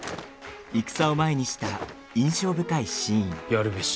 戦を前にした、印象深いシーン。